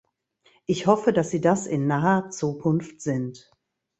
Ich hoffe, dass sie das in naher Zukunft sind.